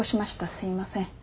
すいません。